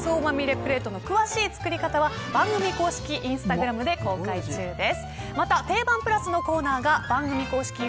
プレートの詳しい作り方は番組公式インスタグラムで公開中です。